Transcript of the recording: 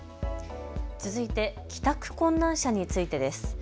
続いて帰宅困難者についてです。